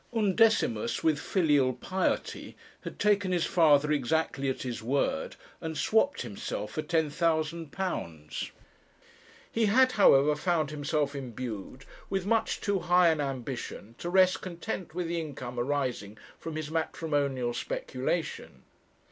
Undecimus, with filial piety, had taken his father exactly at his word, and swapped himself for £10,000. He had, however, found himself imbued with much too high an ambition to rest content with the income arising from his matrimonial speculation.